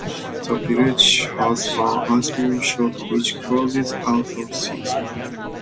The village has one ice cream shop which closes out of season.